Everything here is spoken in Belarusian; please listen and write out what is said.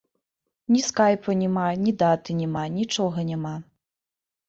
Ні скайпа няма, ні даты няма, нічога няма.